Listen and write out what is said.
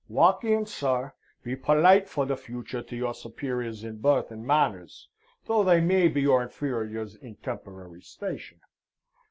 Walk in, sir! Be polite for the future to your shupariors in birth and manners, though they may be your infariors in temporary station.